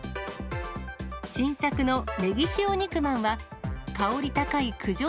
新作のねぎ塩肉まんは、香り高い九条